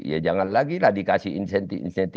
ya jangan lagi lah dikasih insentif insentif